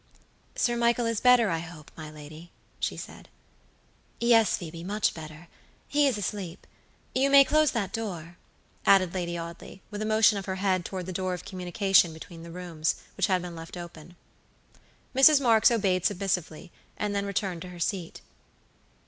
"Sir Michael is better, I hope, my lady," she said. "Yes, Phoebe, much better. He is asleep. You may close that door," added Lady Audley, with a motion of her head toward the door of communication between the rooms, which had been left open. Mrs. Marks obeyed submissively, and then returned to her seat.